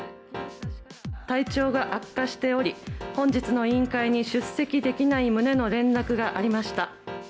体調が悪化しており、本日の委員会に出席できない旨の連絡がありました。